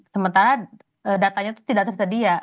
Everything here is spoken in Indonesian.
sementara datanya itu tidak tersedia